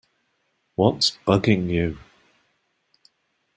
What’s bugging you?